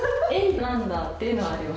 なんだっていうのはあります。